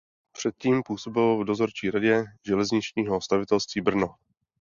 Předtím působil v dozorčí radě "Železničního stavitelství Brno".